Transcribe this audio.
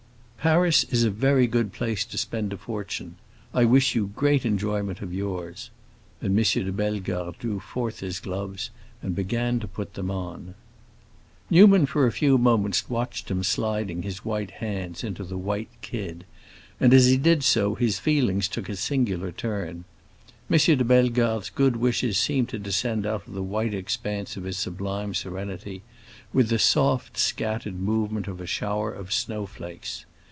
"Paris is a very good place to spend a fortune. I wish you great enjoyment of yours." And M. de Bellegarde drew forth his gloves and began to put them on. Newman for a few moments watched him sliding his white hands into the white kid, and as he did so his feelings took a singular turn. M. de Bellegarde's good wishes seemed to descend out of the white expanse of his sublime serenity with the soft, scattered movement of a shower of snow flakes.